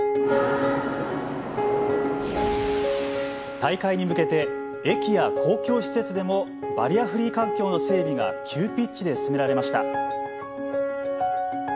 大会に向けて駅や公共施設でもバリアフリー環境の整備が急ピッチで進められました。